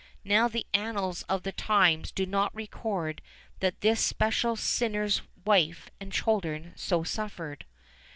Now the annals of the times do not record that this special sinner's wife and children so suffered.